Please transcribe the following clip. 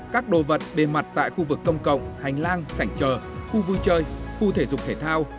các đồ vật bề mặt tại khu vực công cộng hành lang sảnh trờ khu vui chơi khu thể dục thể thao